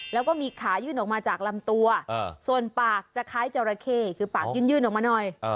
แล้วก็มีขายื่นออกมาจากลำตัวส่วนปากจะคล้ายจราเข้คือปากยื่นออกมาหน่อย